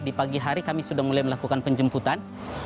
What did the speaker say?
di pagi hari kami sudah mulai melakukan penjemputan